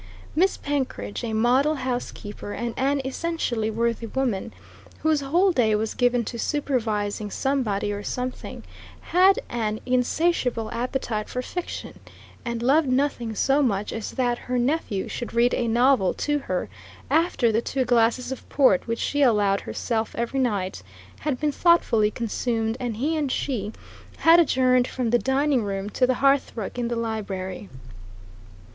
Miss Penkridge, a model housekeeper and an essentially worthy woman, whose whole day was given to supervising somebody or something, had an insatiable appetite for fiction, and loved nothing so much as that her nephew should read a novel to her after the two glasses of port which she allowed herself every night had been thoughtfully consumed and he and she had adjourned from the dining room to the hearthrug in the library.